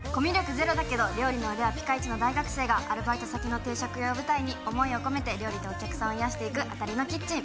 ゼロだけど料理の腕はぴか一の大学生がアルバイト先の定食屋を舞台に思いを込めて料理でお客さんを癒やしていく『あたりのキッチン！』